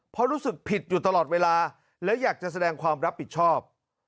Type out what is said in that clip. เพราะรู้สึกผิดอยู่ตลอดเวลาและอยากจะแสดงความรับผิดชอบ